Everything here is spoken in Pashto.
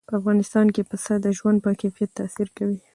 په افغانستان کې پسه د ژوند په کیفیت تاثیر کوي.